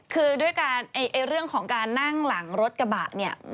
คือด้วยการเรื่องของการนั่งหลังรถกระบะเนี่ย